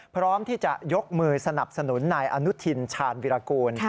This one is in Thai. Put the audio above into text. พร้อมที่จะยกมือสนับสนุนนายอนุทินชาญวิรากูล